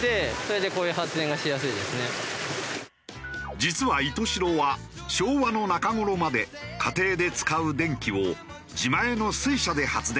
実は石徹白は昭和の中頃まで家庭で使う電気を自前の水車で発電していた。